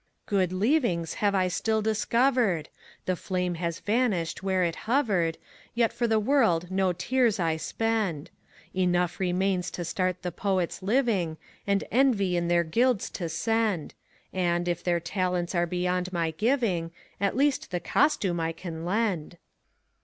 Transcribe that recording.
Good leavings have I still discovered ! The Flame has vanished where it hovered, Yet for the world no tears I spend. Enough remains to start the Poets living, And envy in their guilds to send ; And, if their talents are beyond my giving. At least the costume I can lend.